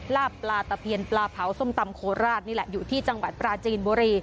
ลาบปลาตะเพียนปลาเผาส้มตำโคราชนี่แหละอยู่ที่จังหวัดปราจีนบุรี